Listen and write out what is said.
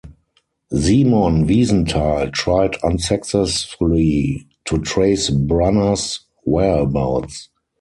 Simon Wiesenthal tried unsuccessfully to trace Brunner's whereabouts.